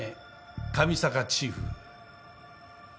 上坂チーフ。